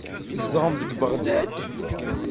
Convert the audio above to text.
Tzedɣem deg Beɣdad?